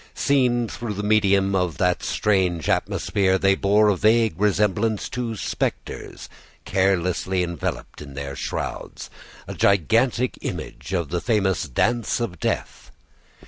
Seen through the medium of that strange atmosphere, they bore a vague resemblance to spectres carelessly enveloped in their shrouds, a gigantic image of the famous Dance of Death.